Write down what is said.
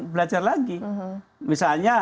belajar lagi misalnya